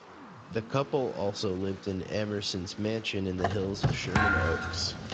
The couple also lived in Amerson's mansion in the hills of Sherman Oaks.